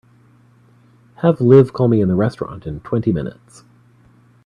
Have Liv call me in the restaurant in twenty minutes.